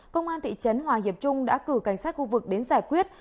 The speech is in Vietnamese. công an thị trấn hòa hiệp trung đã cử cảnh sát khu vực đến giải quyết